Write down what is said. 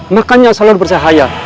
makanya salur bercahaya